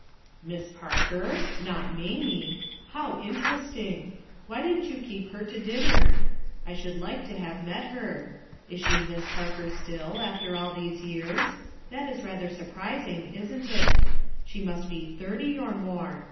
IM Miss Parker?' Not Mamie? How inter esting! Why didn't you keep her to dinner? I should like to have met her. Is she "Miss 23S RUTH EUSKINE'S SON Parker* still, after all these years? That is rather surprising, isn't it? She must be thirty or more.